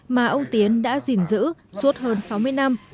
mà ông tiến đã gìn giữ suốt hơn sáu mươi năm